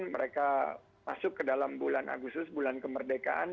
mereka masuk ke dalam bulan agustus bulan kemerdekaan